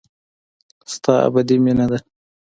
ستا ابدي مينه ده.